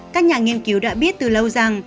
các nhà nghiên cứu đã biết từ lâu rằng